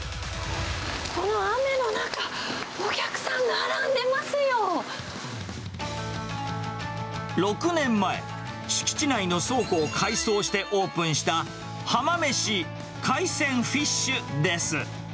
この雨の中、６年前、敷地内の倉庫を改装してオープンした、浜めし海鮮ふぃっしゅです。